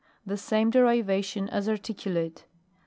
The same derivation as articulate.